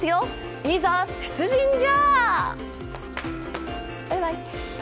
いざ出陣じゃ！